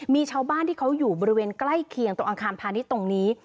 มีชาวบ้านที่เขาอยู่บริเวณใกล้เคียงตรงอาคารพาณิชย์ตรงนี้